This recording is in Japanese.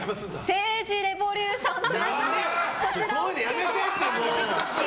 政治レボリューションが。